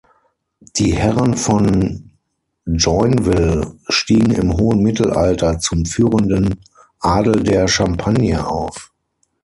Die Herren von Joinville stiegen im hohen Mittelalter zum führenden Adel der Champagne auf.